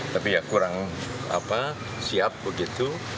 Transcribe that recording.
tapi ya kurang siap begitu